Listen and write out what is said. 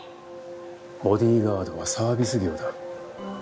ボディーガードはサービス業だ。